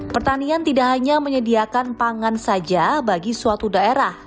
pertanian tidak hanya menyediakan pangan saja bagi suatu daerah